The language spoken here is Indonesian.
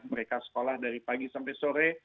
mereka sekolah dari pagi sampai sore